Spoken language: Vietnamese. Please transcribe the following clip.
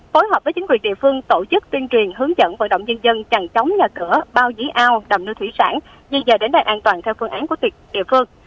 phối hợp với chính quyền địa phương tổ chức tuyên truyền hướng dẫn vận động nhân dân chằn chóng nhà cửa bao dĩ ao đầm nưu thủy sản dì dài đến đài an toàn theo phương án của địa phương